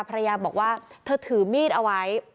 ภรรยาบอกว่าเธอถือมีดเอาไว้